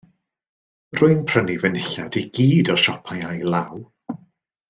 Rwy'n prynu fy nillad i gyd o siopau ail-law.